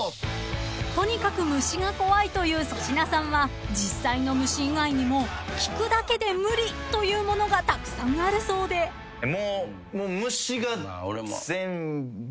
［とにかく虫が怖いという粗品さんは実際の虫以外にも聞くだけで無理というものがたくさんあるそうで］えっ！？